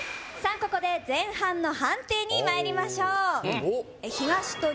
ここで前半の判定にまいりましょう東と西